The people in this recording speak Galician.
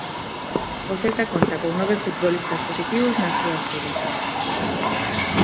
O Celta conta con nove futbolistas positivos nas súas filas.